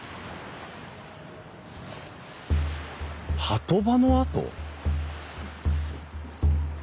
波止場の跡？